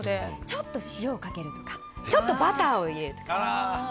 ちょっと塩をかけるとかちょっとバターを入れるとか。